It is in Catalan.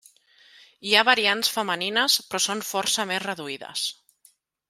Hi ha variants femenines però són força més reduïdes.